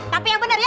tapi yang bener ya